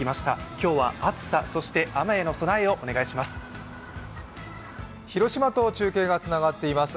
今日は暑さ、そして雨への備えをお願いします。